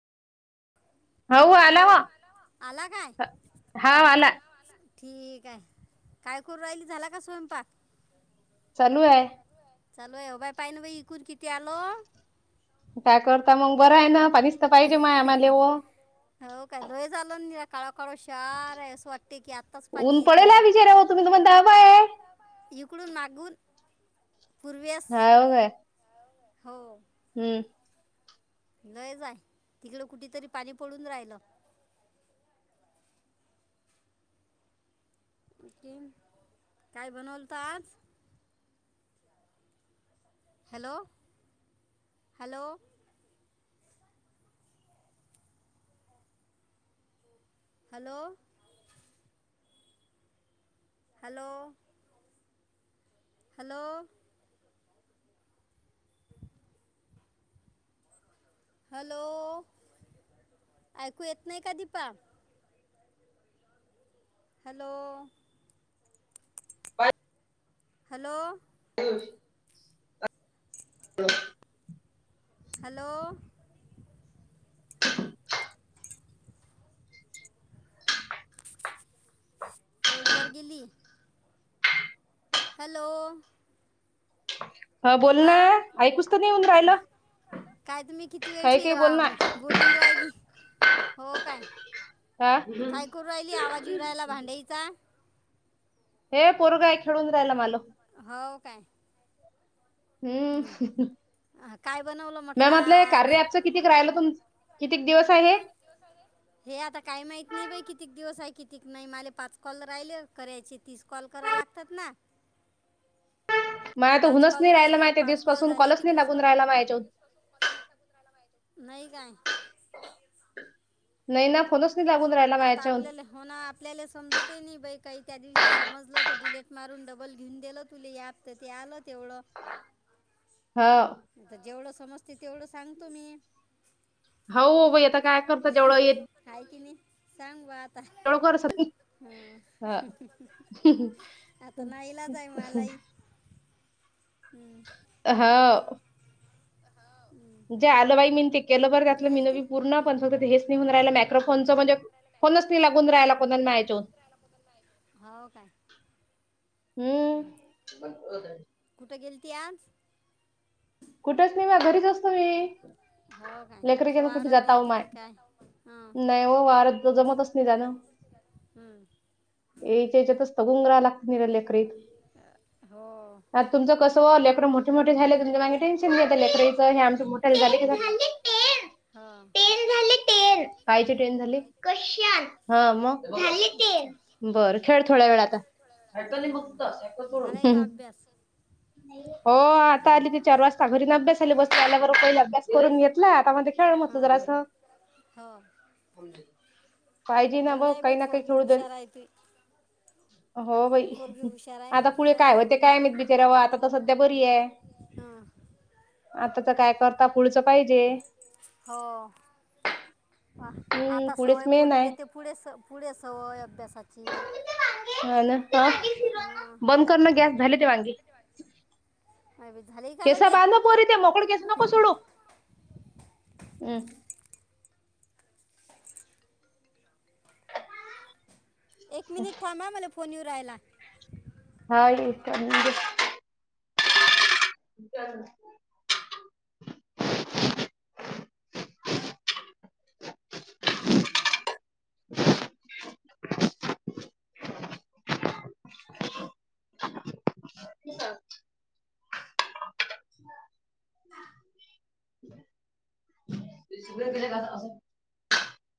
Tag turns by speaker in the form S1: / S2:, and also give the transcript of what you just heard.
S1: हो आला
S2: हॅलो
S1: म
S2: आला काय
S1: हा आला
S2: ठीक आहे काय करू राहिल झाला का स्वयंपाक
S1: चालू आहे
S2: चलो ये बाय पाहि ना बा इ कुर किती आलो
S1: त्या करता मग बरं आहे ना पाणी निसत पाहिजे माय आम्हाला व
S2: काळो काळो शार आहेस वाटत
S1: ऊन पडेला विचारा हो तु म्ही तुम्हाला द बाय आहे
S2: तकडून मागून पूर्वेस
S1: हा हो का
S2: हो
S1: हम्म
S2: लय जाय तिकडं कुठ तरी पाणी पडून राहिलं काय बनवलत आज hello hello hello hello hello hello ऐकू येत नाही का दीपा हॅलो हॅलो हॅलो होड वर गेली हॅलो
S1: ह बोल
S2: दीपा
S1: ना ऐकूस तर नेऊन रायलो
S2: काय तुम्ही किती वेळची बोलून राहिली हो काय
S1: हा
S2: काय करू राहिली आवाज उवरायला भांडयचा
S1: हे पोरगाय खेळून राहिला मल
S2: हो काय
S1: हम्
S2: अह, काय बनवलं म्हटलं
S1: मॅमतलं
S2: आज
S1: कार्ययाच कितीक राहिलं तुम कितीक दिवस आहे
S2: किती दिव सा रायलय हे आता काही माहित नाही बाई कितीक दिवस आहे कितीक नाही मले पाच कॉल राहिले करायचे तीस कॉल करा लागतात ना
S1: मग आता
S2: पाच
S1: हूनच
S2: कॉल
S1: नाही राहिला
S2: राहिले
S1: माहि ते
S2: पाच
S1: दिवस
S2: कॉल
S1: पासून
S2: झाले
S1: कॉलच
S2: की
S1: नाही लागून
S2: दुसरं
S1: राहाला मा याच्या
S2: नाही काय
S1: नाही ना फोनच नाही लागून राहिला
S2: आता
S1: मायाच्याहून
S2: आपल्याला हो ना आपल्याला समजत आहे नाही बाई काही त्या दिवशी समजलं तर डिलेट मारून डबल घेऊन दिलं तु याप तर ते आलं तेवढं
S1: हा
S2: तर जेवढं समजते तेवढं सांगतो मी
S1: हो भाई आता काय करत जेवढं येत
S2: आहे की नाही सांग वा
S1: तळकरो सती
S2: हा आता नाही ईलाज आहे मलाही हं.
S1: हा जे आलं बाई मीन ते केलं बर
S2: कुठे
S1: त्यातलं
S2: गेलती
S1: मिनी पूर्ण
S2: हं.
S1: पण फक्त ते हेच निहून राहिलं मायक्रोफोनच म्हणजे कोणच नाही लागून राहायला कोणा मियच
S2: हो काय
S1: हम्म
S2: कुठ गेलती आज
S1: कुठेच नाही म घरीच असतो मी
S2: हो काय म्हटलं
S1: लेकरीच्यान कुठे
S2: वावरात
S1: जाताव
S2: गेलती
S1: माय
S2: की काय हं.
S1: नाही व वार जमतच नाही जाण
S2: हं.
S1: याच्या याच्यातच त गुंगरा लागत नर ल एकरीत
S2: हो
S1: आ तुमचं कसं लेकडं मोठे मोठे झाले तुम माग टेन्शनच हे आमच्या मोठा झाले क
S2: नाही हो
S1: टेन झा टे काय टेन झाली कश मग झा टन
S2: अच्छा
S1: बर खेळ थोड्या वेळ आताक्त
S2: झालाय का अभ्यास
S1: हो आता आली ते चार वाजता अभ्या बसल्या प अभ्यास करून घेतला आता म खेळ म्हट
S2: हां
S1: जरा अस
S2: हां हो
S1: पाहिजे ना
S2: बरं
S1: म
S2: आहे
S1: काही
S2: बाई
S1: ना काही
S2: पोरगी
S1: थोड जण
S2: हुशार आहे तू
S1: हो भाई
S2: तू पोरगी हुशार आहे
S1: आता पुढे
S2: म्हटलं
S1: काय होते काय मी बिचऱ्याव आता तर सध्या बरी आहे
S2: हा
S1: आता तर काय करता पुढच पाहिजे
S2: हो
S1: हम्म
S2: आता
S1: पुढेच
S2: सवय
S1: मेन आहे
S2: पुोरीले ते पुढे स पुढे सवय अभ्यासाची
S1: ह न
S2: हां
S1: बंद कर ना गॅस झाली ते वांगी
S2: झाली का
S1: केसा
S2: लगे
S1: बांध पोरी ते मोकळ केस नको सोडू हम्
S2: एक मिनिट थांबा मला फोन येऊ राहायला
S1: हा ये [inaudible]
S2: [inaudible] [inaudible]
S1: स [inaudible] शग्र केले का असं